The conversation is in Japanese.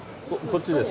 こっちで？